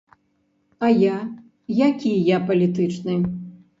А я, які я палітычны?